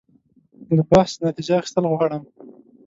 له بحث نتیجه اخیستل غواړم.